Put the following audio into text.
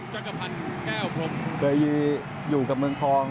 จักรพันธ์แก้วพรมเคยอยู่กับเมืองทอง